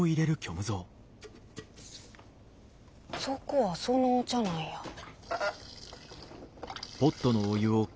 そこはそのお茶なんや。